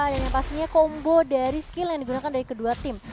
yang pastinya kombo dari skill yang digunakan dari kedua tim